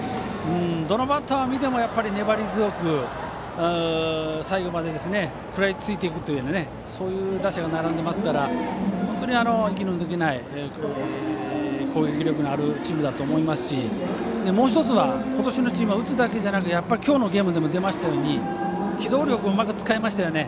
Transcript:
どのバッターを見ても粘り強く最後まで食らいついていくそういう打者が並んでいますから本当に息の抜けない攻撃力のあるチームだと思いますしもう１つは今年のチームは打つだけじゃなくて今日のゲームでも出ましたように機動力をうまく使いましたね。